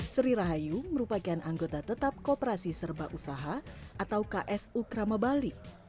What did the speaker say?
sri rahayu merupakan anggota tetap kooperasi serba usaha atau ksu krama bali